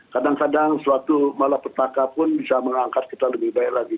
kadang kadang suatu malapetaka pun bisa mengangkat kita lebih baik lagi